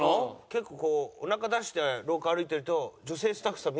結構こうおなか出して廊下歩いてると女性スタッフさん